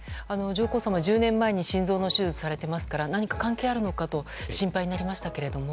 上皇さまは１０年前に心臓の手術をされていますから何か関係あるのかと心配になりましたけれども。